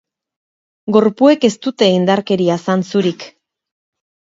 Gorpuek ez dute indarkeria zantzurik.